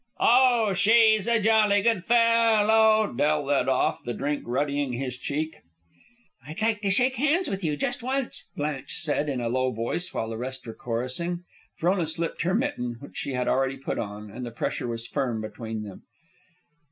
"Oh! she's a jolly good fellow," Del led off, the drink ruddying his cheek. "I'd like to shake hands with you, just once," Blanche said in a low voice, while the rest were chorusing. Frona slipped her mitten, which she had already put on, and the pressure was firm between them.